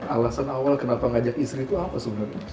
alasan awal kenapa ngajak istri itu apa sebenarnya